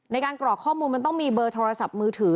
กรอกข้อมูลมันต้องมีเบอร์โทรศัพท์มือถือ